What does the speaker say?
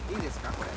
これ。